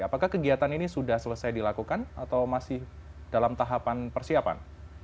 apakah kegiatan ini sudah selesai dilakukan atau masih dalam tahapan persiapan